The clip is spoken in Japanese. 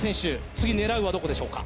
次狙うはどこでしょうか？